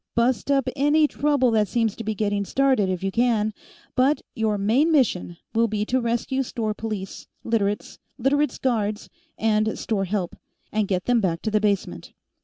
Bust up any trouble that seems to be getting started, if you can, but your main mission will be to rescue store police, Literates, Literates' guards, and store help, and get them back to the basement.